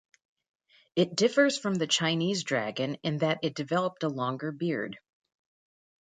It differs from the Chinese dragon in that it developed a longer beard.